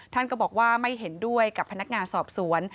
ท่านก็บอกว่าไม่เห็นด้วยกับพนักงานสอบสวน